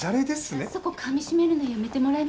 そこ噛みしめるのやめてもらえませんか？